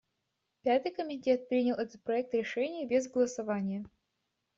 Пятый комитет принял этот проект решения без голосования.